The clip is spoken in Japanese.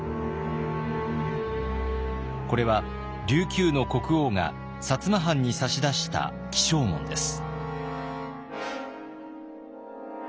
これは琉球の国王が摩藩に差し出した起請文です。